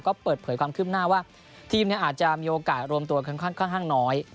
ก็เปิดเผยความคืบหน้าว่าทีมอาจจะมีโอกาสรวมตัวค่อนข้างน้อย